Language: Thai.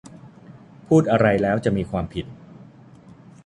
พูดอะไรแล้วจะมีความผิด